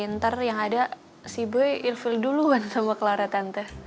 ntar yang ada si buy infuel duluan sama clara tante